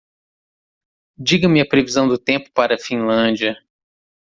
Diga-me a previsão do tempo para a Finlândia